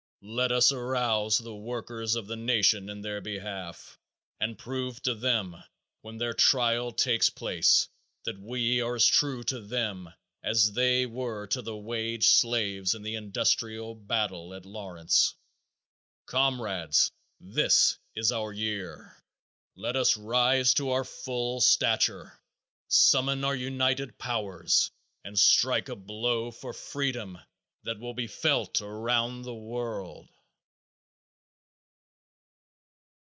Let us arouse the workers of the nation in their behalf and prove to them when their trial takes place that we are as true to them as they were to the wage slaves in the industrial battle at Lawrence. Comrades, this is our year! Let us rise to our full stature, summon our united powers, and strike a blow for freedom that will be felt around the world!